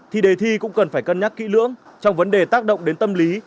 thì đề thi cũng cần phải cân nhắc kỹ lưỡng trong vấn đề tác động đến tâm lý